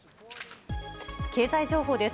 経済情報です。